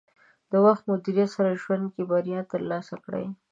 د وخت مدیریت سره ژوند کې بریا ترلاسه کړئ.